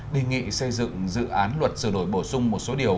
đề nghị xây dựng dự án luật sửa đổi bổ sung một số điều